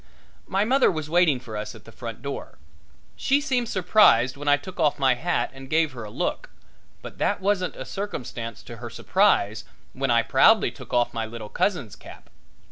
My mother was waiting for us at the front door. She seemed surprised when I took off my hat and gave her a look, but that wasn't a circumstance to her surprise when I proudly took off my little cousin's cap.